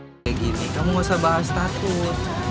kayak gini kamu gak usah bahas status